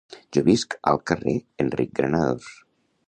Jo visc al carrer Enric Granados